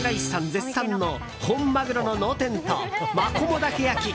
絶賛の本マグロの脳天と、マコモダケ焼。